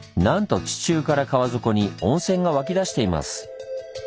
なんと地中から川底に温泉が湧き出しています。